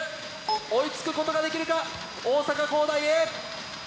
追いつくことができるか大阪公大Ａ！